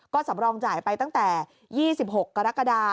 ก็สำรองจ่ายไปตั้งแต่๒๖กรกฎา